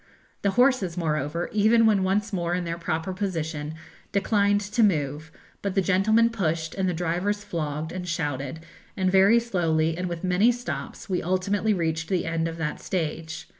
The horses, moreover, even when once more in their proper position, declined to move, but the gentlemen pushed and the drivers flogged and shouted, and very slowly and with many stops we ultimately reached the end of that stage.